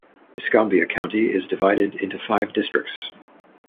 Escambia County is divided into five districts.